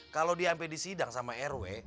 kalo dia sampe di sidang sama rw